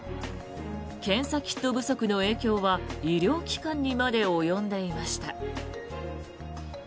検査キット不足の影響は医療機関にまで及んでいました。